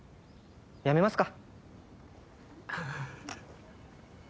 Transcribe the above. やめますか？